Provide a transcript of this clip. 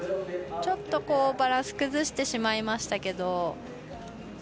ちょっとバランス崩してしまいましたけど。